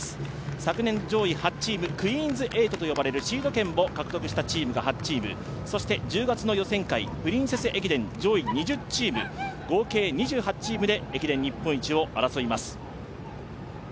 昨年上位８チーム、クイーンズ８というシード権も獲得したチームが８チーム、１０月の予選会、プリンセス駅伝上位１０チーム、合計２８チームで駅伝日本一を争います。